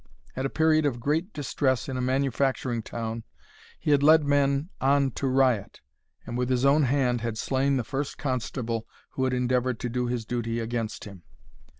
At a period of great distress in a manufacturing town he had led men on to riot, and with his own hand had slain the first constable who had endeavoured to do his duty against him.